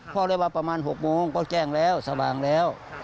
บอกเลยว่าประมาณ๖โมงก็แจ้งแล้วสว่างแล้ว